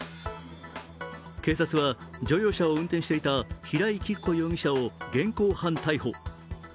警察は、乗用車を運転していた平井菊子容疑者を現行犯逮捕。